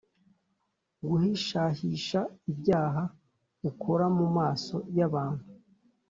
guhishahisha ibyaha ukora mu maso y’abantu